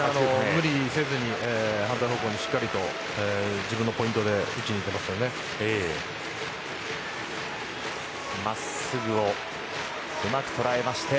無理せずに反対方向にしっかりと自分のポイントで打ちにいってますよね。